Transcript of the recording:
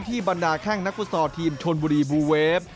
ที่บรรดาแข่งนักฟุตรทีมชนบุรีบลูเวฟ